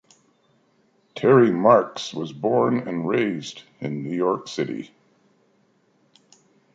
Terry Marks was born and raised in New York City.